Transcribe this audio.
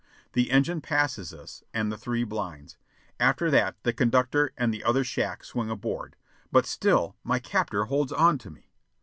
The engine passes us, and the three blinds. After that, the conductor and the other shack swing aboard. But still my captor holds on to me.